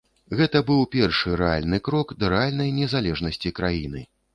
Гэта быў першы рэальны крок да рэальнай незалежнасці краіны.